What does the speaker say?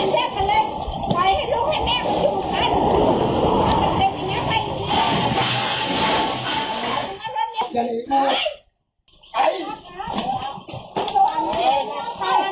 เล็กมึงเข้าน้ำมันเป็นเพื่ออะไร